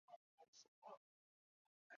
母汪氏。